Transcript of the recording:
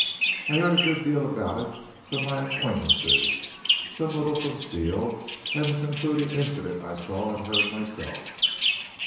I heard a good deal about it from my acquaintances, some little from Steele, and the concluding incident I saw and heard myself.